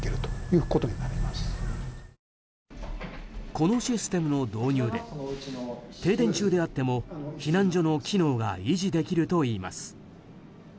このシステムの導入で停電中であっても避難所の機能が維持できるといいます。